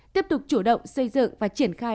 tiếp tục chủ động xây dựng và triển khai